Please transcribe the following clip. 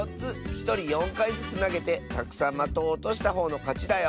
ひとり４かいずつなげてたくさんまとをおとしたほうのかちだよ！